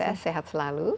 dan sukses sehat selalu